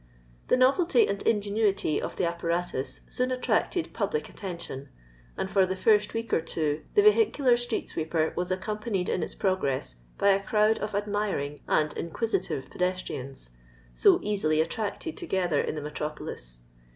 The novelty and ingenuity of the apparatus soon attracted public att4mtion, and for the first week or two the Tehicuhir street sweeper was accompanied in its progress by a crowd of admiring and inquisi tive pedestrians, so easily attracted together in the metropolis.